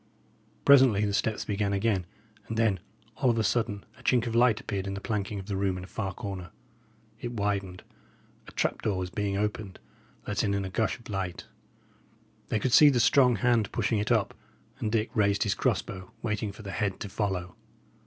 Presently the steps began again, and then, all of a sudden, a chink of light appeared in the planking of the room in a far corner. It widened; a trap door was being opened, letting in a gush of light. They could see the strong hand pushing it up; and Dick raised his cross bow, waiting for the head to follow.